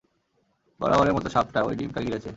বরাবরের মতো সাপটা, ওই ডিমটা গিলেছে।